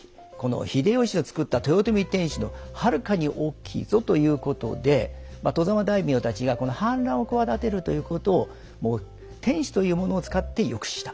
秀吉の造った豊臣天守のはるかに大きいぞということで外様大名たちが反乱を企てるということを天守というものを使って抑止した。